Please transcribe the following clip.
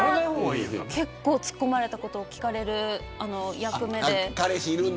結構、突っ込まれたことを聞かれる役目で。